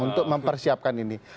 untuk mempersiapkan ini